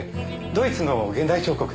ドイツの現代彫刻です。